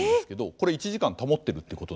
これ１時間保ってるってことなんです。